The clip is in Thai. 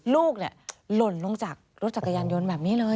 ลูกหล่นลงจากรถจักรยานยนต์แบบนี้เลย